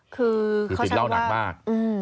คือเขาคิดว่าติดเหล้าหนักมาก